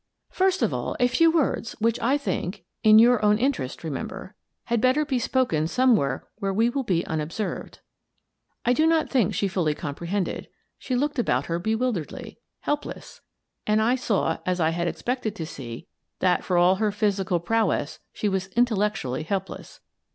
" First of all, a few words which I think — in your own interest, remember — had better be spoken somewhere where we will be unobserved." I do not think she fully comprehended. She looked about her bewilderedly, helpless, and I saw — as I had expected to see — that, for all her physical prowess, she was intellectually helpless.